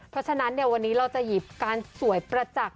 เพราะฉะนั้นวันนี้เราจะหยิบการสวยประจักษ